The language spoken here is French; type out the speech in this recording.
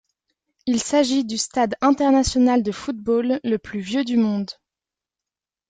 Il s'agit du stade international de football le plus vieux du monde.